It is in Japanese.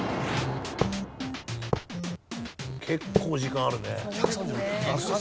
結構時間あるね。